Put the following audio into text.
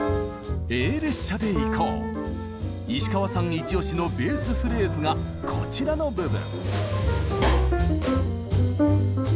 イチおしのベースフレーズがこちらの部分。